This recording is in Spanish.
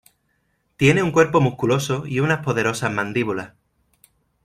Tiene un cuerpo musculoso y unas poderosas mandíbulas.